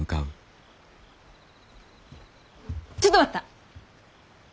ちょっと待った。